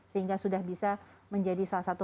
sehingga sudah bisa menjadi salah satu